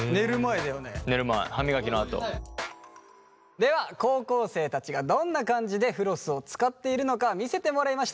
では高校生たちがどんな感じでフロスを使っているのか見せてもらいました。